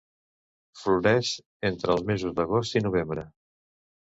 Floreix entre els mesos d'agost i novembre.